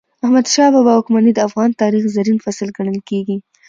د احمد شاه بابا واکمني د افغان تاریخ زرین فصل ګڼل کېږي.